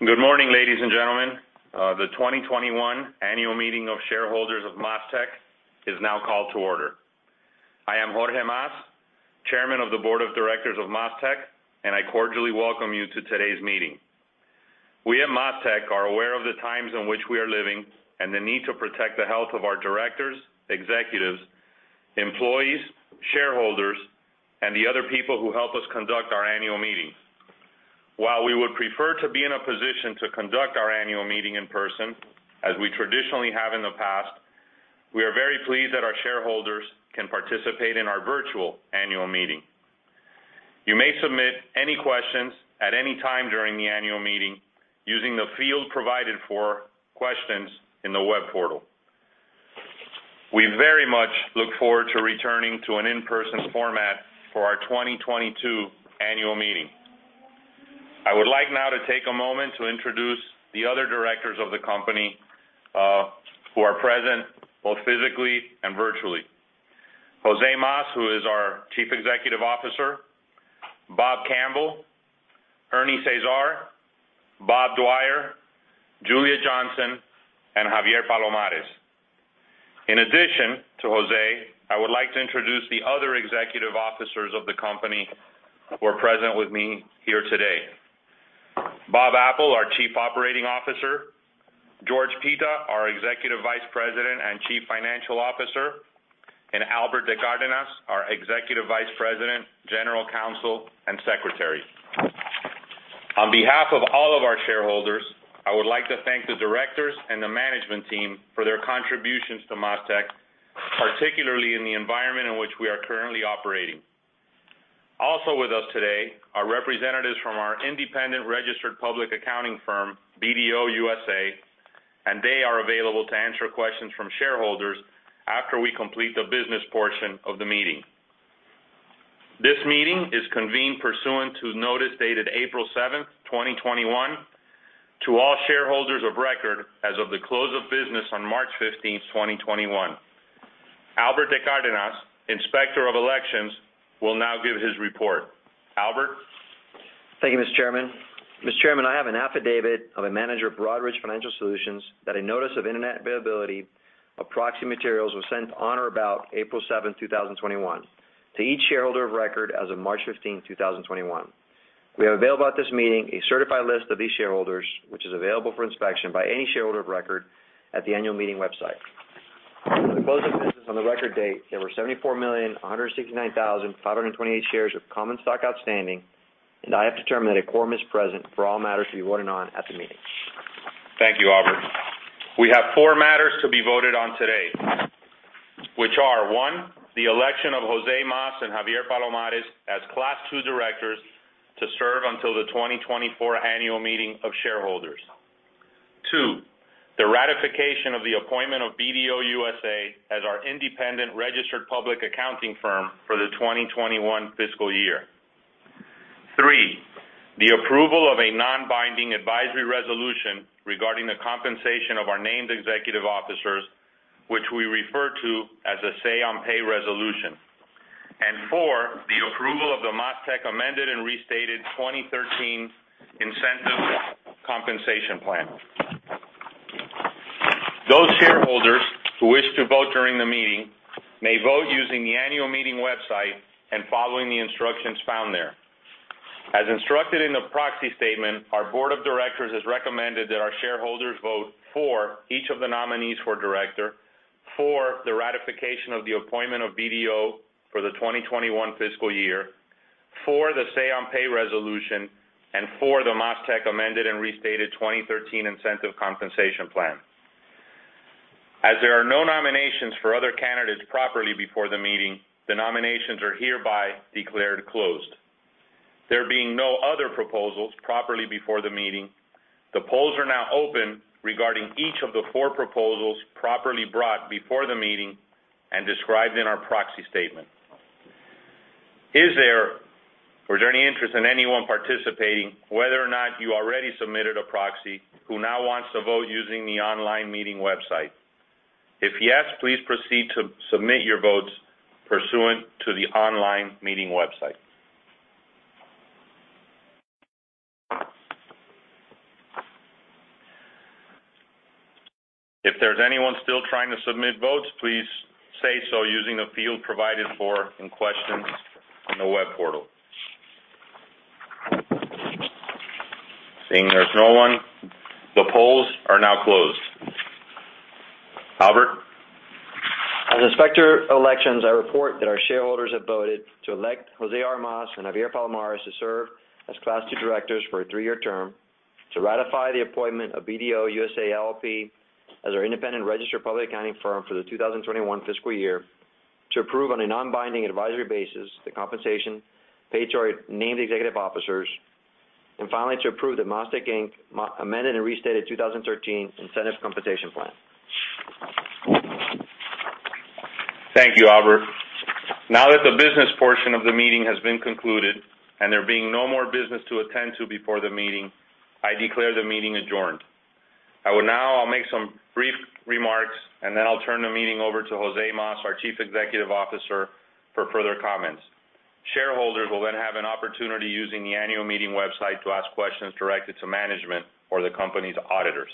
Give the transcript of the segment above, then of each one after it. Good morning, ladies and gentlemen. The 2021 Annual Meeting of Shareholders of MasTec is now called to order. I am Jorge Mas, Chairman of the Board of Directors of MasTec, and I cordially welcome you to today's meeting. We at MasTec are aware of the times in which we are living and the need to protect the health of our directors, executives, employees, shareholders, and the other people who help us conduct our annual meeting. While we would prefer to be in a position to conduct our annual meeting in person, as we traditionally have in the past, we are very pleased that our shareholders can participate in our virtual annual meeting. You may submit any questions at any time during the annual meeting using the field provided for questions in the web portal. We very much look forward to returning to an in-person format for our 2022 Annual Meeting. I would like now to take a moment to introduce the other directors of the company, who are present both physically and virtually: José Mas, who is our Chief Executive Officer; Bob Campbell; Ernie Csiszar; Bob Dwyer; Julia Johnson; and Javier Palomares. In addition to José, I would like to introduce the other executive officers of the company who are present with me here today. Bob Apple, our Chief Operating Officer; George Pita, our Executive Vice President and Chief Financial Officer; and Albert de Cárdenas, our Executive Vice President, General Counsel, and Secretary. On behalf of all of our shareholders, I would like to thank the directors and the management team for their contributions to MasTec, particularly in the environment in which we are currently operating. Also with us today are representatives from our independent registered public accounting firm, BDO USA, and they are available to answer questions from shareholders after we complete the business portion of the meeting. This meeting is convened pursuant to notice dated April 7th, 2021, to all shareholders of record as of the close of business on March 15th, 2021. Alberto de Cárdenas, inspector of elections, will now give his report. Albert? Thank you, Mr. Chairman. Mr. Chairman, I have an affidavit of a manager at Broadridge Financial Solutions that a notice of internet availability of proxy materials was sent on or about April 7th, 2021, to each shareholder of record as of March 15th, 2021. We have available at this meeting a certified list of these shareholders, which is available for inspection by any shareholder of record at the annual meeting website. For the close of business on the record date, there were 74,169,528 shares of common stock outstanding, and I have determined that a quorum is present for all matters to be voted on at the meeting. Thank you, Albert. We have four matters to be voted on today, which are: One, the election of José Mas and Javier Palomares as Class II directors to serve until the 2024 annual meeting of shareholders, Two, the ratification of the appointment of BDO USA as our independent registered public accounting firm for the 2021 fiscal year. Three, the approval of a non-binding advisory resolution regarding the compensation of our named executive officers, which we refer to as a Say-on-Pay resolution, and four, the approval of the MasTec Amended and Restated 2013 Incentive Compensation Plan. Those shareholders who wish to vote during the meeting may vote using the annual meeting website and following the instructions found there. As instructed in the proxy statement, our board of directors has recommended that our shareholders vote for each of the nominees for director, for the ratification of the appointment of BDO for the 2021 fiscal year, for the Say-on-Pay resolution, and for the MasTec Amended and Restated 2013 Incentive Compensation Plan. As there are no nominations for other candidates properly before the meeting, the nominations are hereby declared closed. There being no other proposals properly before the meeting, the polls are now open regarding each of the four proposals properly brought before the meeting and described in our proxy statement. Is there or is there any interest in anyone participating, whether or not you already submitted a proxy, who now wants to vote using the online meeting website? If yes, please proceed to submit your votes pursuant to the online meeting website. If there's anyone still trying to submit votes, please say so using the field provided for in questions in the web portal. Seeing there's no one, the polls are now closed. Albert? As inspector of elections, I report that our shareholders have voted to elect José R. Mas and Javier Palomares to serve as class two directors for a three-year term, to ratify the appointment of BDO USA, LLP as our independent registered public accounting firm for the 2021 fiscal year, to approve on a non-binding advisory basis the compensation paid to our named executive officers, and finally to approve the MasTec, Inc. Amended and Restated 2013 Incentive Compensation Plan. Thank you, Albert. Now that the business portion of the meeting has been concluded and there being no more business to attend to before the meeting, I declare the meeting adjourned. I'll make some brief remarks, and then I'll turn the meeting over to Jose Mas, our Chief Executive Officer, for further comments. Shareholders will then have an opportunity using the annual meeting website to ask questions directed to management or the company's auditors.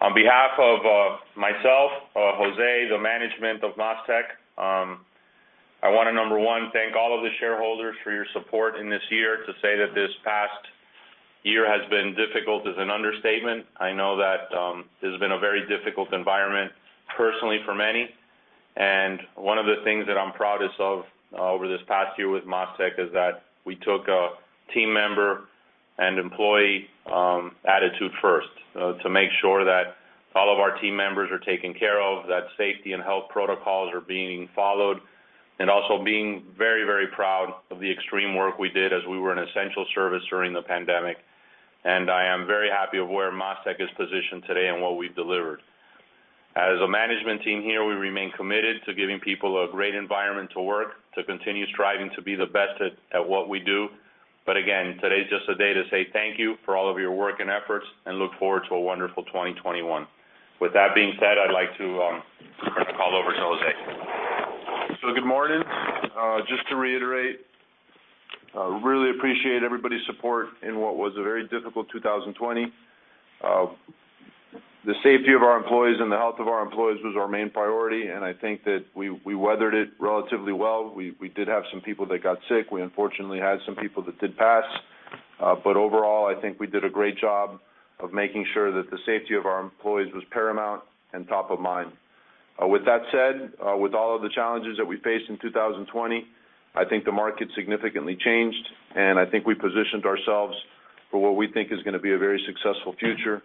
On behalf of myself, Jose, the management of MasTec, I wanna number one thank all of the shareholders for your support in this year. To say that this past year has been difficult is an understatement. I know that this has been a very difficult environment personally for many, and one of the things that I'm proudest of over this past year with MasTec is that we took a team member and employee attitude first to make sure that all of our team members are taken care of, that safety and health protocols are being followed, and also being very, very proud of the extreme work we did as we were an essential service during the pandemic. I am very happy of where MasTec is positioned today and what we've delivered. As a management team here, we remain committed to giving people a great environment to work, to continue striving to be the best at what we do. Again, today's just a day to say thank you for all of your work and efforts, and look forward to a wonderful 2021. With that being said, I'd like to turn the call over to Jose. So, good morning. Just to reiterate, really appreciate everybody's support in what was a very difficult 2020. The safety of our employees and the health of our employees was our main priority, and I think that we, we weathered it relatively well. We, we did have some people that got sick. We unfortunately had some people that did pass. But overall, I think we did a great job of making sure that the safety of our employees was paramount and top of mind. With that said, with all of the challenges that we faced in 2020, I think the market significantly changed, and I think we positioned ourselves for what we think is gonna be a very successful future.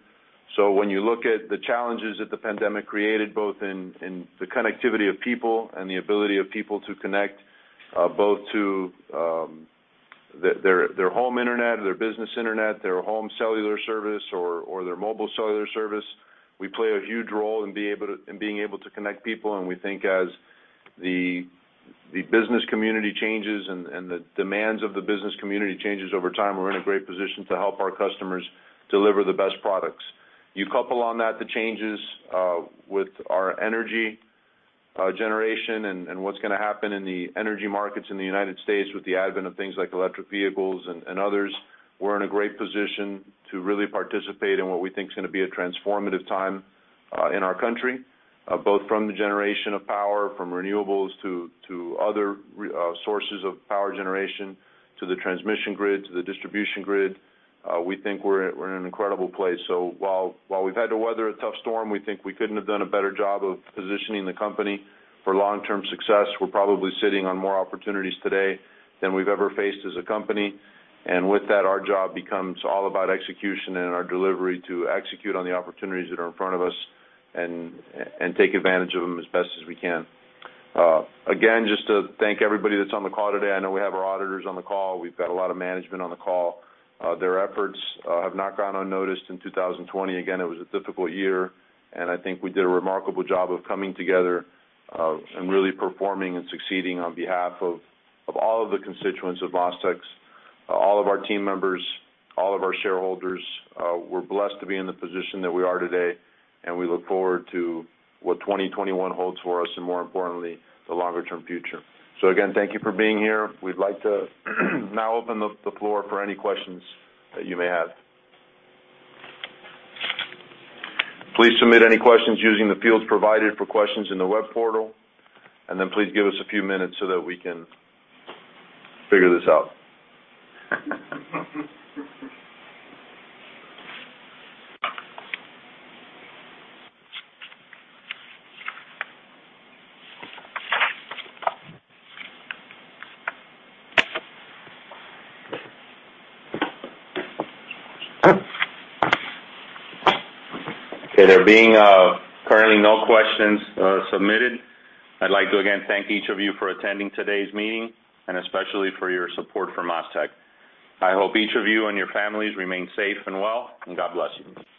So when you look at the challenges that the pandemic created, both in the connectivity of people and the ability of people to connect, both to their home internet, their business internet, their home cellular service, or their mobile cellular service, we play a huge role in being able to connect people. And we think as the business community changes and the demands of the business community changes over time, we're in a great position to help our customers deliver the best products. You couple on that the changes, with our energy generation and what's gonna happen in the energy markets in the United States with the advent of things like electric vehicles and others, we're in a great position to really participate in what we think's gonna be a transformative time in our country, both from the generation of power, from renewables to other resources of power generation, to the transmission grid, to the distribution grid. We think we're in an incredible place. So while we've had to weather a tough storm, we think we couldn't have done a better job of positioning the company for long-term success. We're probably sitting on more opportunities today than we've ever faced as a company. And with that, our job becomes all about execution and our delivery to execute on the opportunities that are in front of us and take advantage of them as best as we can. Again, just to thank everybody that's on the call today. I know we have our auditors on the call. We've got a lot of management on the call. Their efforts have not gone unnoticed in 2020. Again, it was a difficult year, and I think we did a remarkable job of coming together and really performing and succeeding on behalf of all of the constituents of MasTec, all of our team members, all of our shareholders. We were blessed to be in the position that we are today, and we look forward to what 2021 holds for us and, more importantly, the longer-term future. So again, thank you for being here. We'd like to now open the floor for any questions that you may have. Please submit any questions using the fields provided for questions in the web portal, and then please give us a few minutes so that we can figure this out. Okay. There being currently no questions submitted. I'd like to again thank each of you for attending today's meeting and especially for your support for MasTec. I hope each of you and your families remain safe and well, and God bless you.